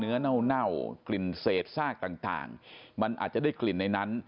เน่ากลิ่นเศษซากต่างมันอาจจะได้กลิ่นในนั้น